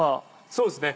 そうですね。